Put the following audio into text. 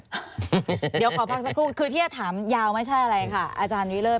เดี๋ยวขอพักสักครู่คือที่จะถามยาวไม่ใช่อะไรค่ะอาจารย์วิเศษ